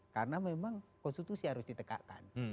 karena memang konstitusi harus ditegakkan